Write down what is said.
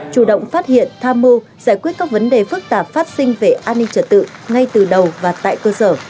chủ động phát hiện tham mưu giải quyết các vấn đề phức tạp phát sinh về an ninh trật tự ngay từ đầu và tại cơ sở